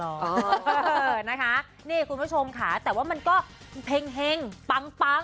เออนะคะนี่คุณผู้ชมค่ะแต่ว่ามันก็เห็งปัง